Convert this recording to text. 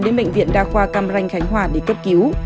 đến bệnh viện đa khoa cam ranh khánh hòa để cấp cứu